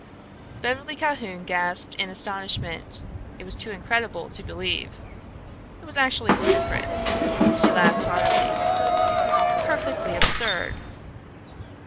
Beverly Calhoun gasped in astonishment. It was too incredible to believe. It was actually ludicrous. She laughed heartily. "How perfectly absurd."